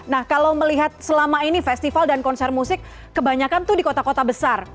nah kalau melihat selama ini festival dan konser musik kebanyakan tuh di kota kota besar